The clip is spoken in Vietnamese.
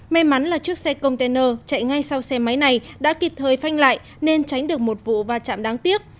may mắn là chiếc xe container chạy ngay sau xe máy này đã kịp thời phanh lại nên tránh được một vụ va chạm đáng tiếc